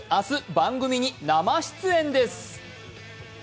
番組に生出演です。